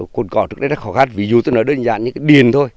cồn cỏ trước đây rất khó khăn ví dụ tôi nói đơn giản như cái điền thôi